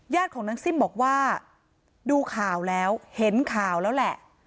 ของนางซิ่มบอกว่าดูข่าวแล้วเห็นข่าวแล้วแหละ